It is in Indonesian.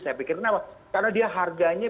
saya pikir kenapa karena dia harganya